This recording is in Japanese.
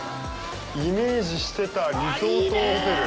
イメージしてたリゾートホテル。